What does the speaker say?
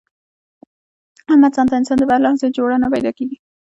احمد ځانته انسان دی، په هر لحاظ یې جوړه نه پیداکېږي.